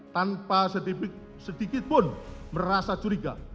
tanpa sedikit pun merasa curiga